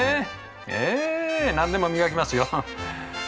ええ何でも磨きますよ。